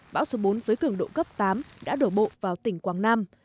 bão số bốn với cường độ cấp tám đã đổ bộ vào tỉnh quảng nam